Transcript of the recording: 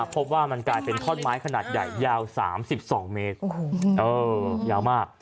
พบว่ามันกลายเป็นท่อนไม้ขนาดใหญ่ยาว๓๒เมตรยาวมาก